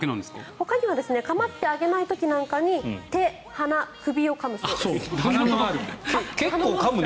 ほかには構ってあげない時なんかに手、鼻、首をかむそうです。